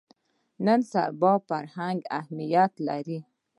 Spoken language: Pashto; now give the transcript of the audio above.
نن سبا فرهنګ اهمیت لري